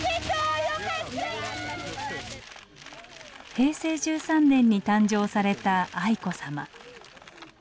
平成１３年に誕生された愛子さま。